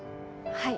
はい。